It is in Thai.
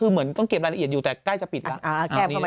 คือเหมือนต้องเก็บรายละเอียดอยู่แต่ใกล้จะปิดแล้ว